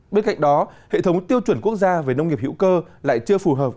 bên cạnh đó hệ thống tiêu chuẩn quốc gia về nông nghiệp hữu cơ lại chưa phù hợp